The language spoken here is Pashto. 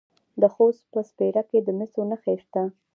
د خوست په سپیره کې د مسو نښې شته.